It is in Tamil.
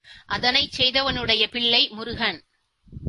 அதனைச் செய்தவனுடைய பிள்ளை முருகன்.